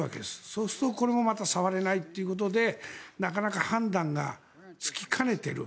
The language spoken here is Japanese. そうするとこれもまた触れないということでなかなか判断がつきかねている。